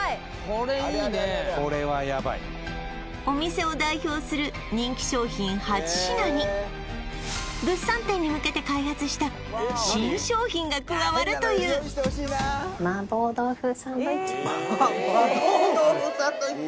これいいねこれはヤバいお店を代表する人気商品８品に物産展に向けて開発した新商品が加わるという麻婆豆腐サンドイッチ？